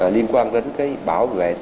liên quan đến cái bảo vệ trật tự